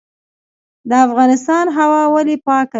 د افغانستان هوا ولې پاکه ده؟